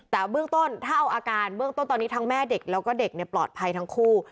แต่เบื้องต้นถ้าเอาอาการเบื้องต้นตอนนี้ทั้งแม่เด็กแล้วก็เด็กปลอดภัยทั้งคู่